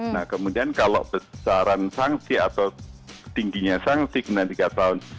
nah kemudian kalau besaran sanksi atau tingginya sanksi kemudian tiga tahun